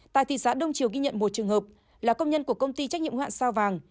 tại thị xã đông triều ghi nhận một trường hợp là công nhân của công ty trách nhiệm hoạn sao vàng